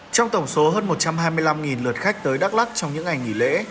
trong tổng số hơn một trăm hai mươi năm lượt khách tới đắk lắc trong những ngày nghỉ lễ